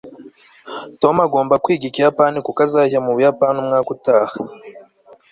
tom agomba kwiga ikiyapani kuko azajya mu buyapani umwaka utaha